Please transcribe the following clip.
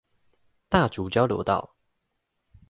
大竹交流道